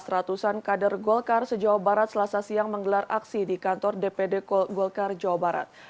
ratusan kader golkar se jawa barat selasa siang menggelar aksi di kantor dpd golkar jawa barat